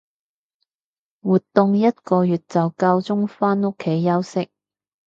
活動一個月就夠鐘返屋企休息